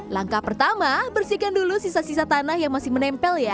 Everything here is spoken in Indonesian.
langkah pertama bersihkan dulu sisa sisa tanah yang masih menempel ya